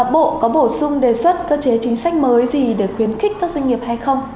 bộ có bổ sung đề xuất cơ chế chính sách mới gì để khuyến khích các doanh nghiệp hay không